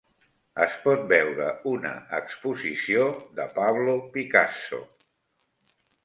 Es pot veure una exposició de Pablo Picasso